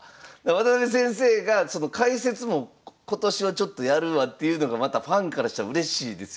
渡辺先生が解説も今年はちょっとやるわっていうのがまたファンからしたらうれしいですよね。